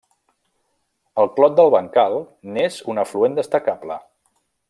El Clot del Bancal n'és un afluent destacable.